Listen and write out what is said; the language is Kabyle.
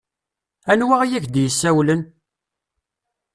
Anwa i ak-d-yessawlen?